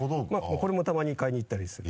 これもたまに買いに行ったりする。